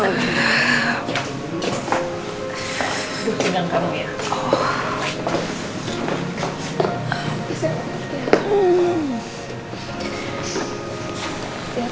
aku tinggal kamu ya